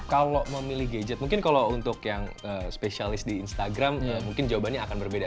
kalau memilih gadget mungkin kalau untuk yang spesialis di instagram mungkin jawabannya akan berbeda